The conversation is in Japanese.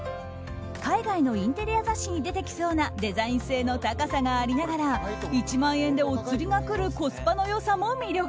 海外のインテリア雑誌に出てきそうなデザイン性の高さがありながら１万円でお釣りがくるコスパの良さも魅力。